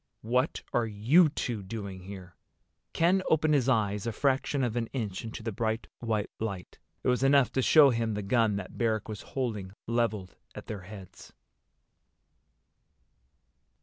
"What are you two doing here?" Ken opened his eyes a fraction of an inch into the bright white light. It was enough to show him the gun that Barrack was holding leveled at their heads.